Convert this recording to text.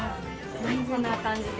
はいこんな感じで。